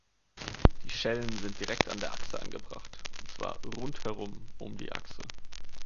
Die Schellen sind direkt an der Achse angebracht, und zwar „rundherum“ um die Achse.